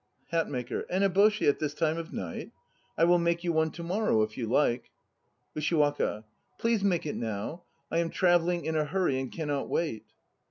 HATMAKER. An eboshi at this time of night? I will make you one to morrow, if you like. USHIWAKA. Please make it now. I am travelling in a hurry and cannot wait.